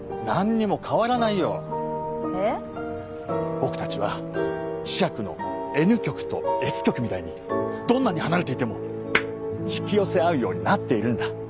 僕たちは磁石のＮ極とＳ極みたいにどんなに離れていても引き寄せ合うようになっているんだ。